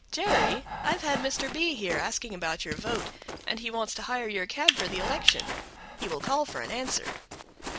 "Jerry! I've had Mr. B here asking about your vote, and he wants to hire your cab for the election; he will call for an answer."